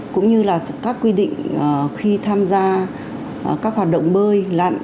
cũng như là các quy định khi tham gia các hoạt động bơi lặn